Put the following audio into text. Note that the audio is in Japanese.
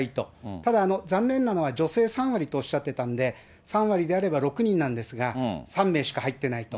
ただ、残念なのは、女性３割とおっしゃってたんで、３割であれば６人なんですが、３名しか入ってないと。